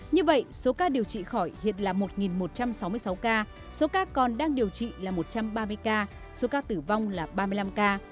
như vậy số ca điều trị khỏi hiện là một một trăm sáu mươi sáu ca số ca còn đang điều trị là một trăm ba mươi ca số ca tử vong là ba mươi năm ca